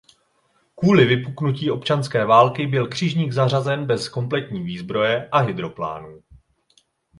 Kvůli vypuknutí občanské války byl křižník zařazen bez kompletní výzbroje a hydroplánů.